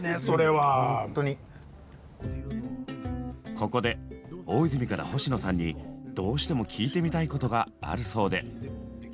ここで大泉から星野さんにどうしても聞いてみたいことがあるそうで。